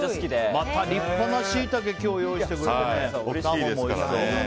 また立派なシイタケを今日は用意してくれて。